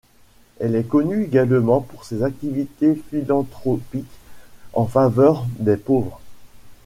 Elle est connue également pour ses activités philanthropiques en faveur des pauvres.